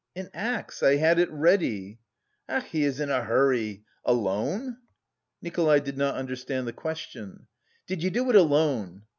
"An axe. I had it ready." "Ach, he is in a hurry! Alone?" Nikolay did not understand the question. "Did you do it alone?"